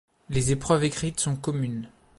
Les épreuves écrites sont communes.